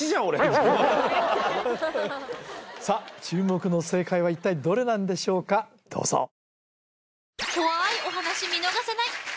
俺さあ注目の正解は一体どれなんでしょうかどうぞ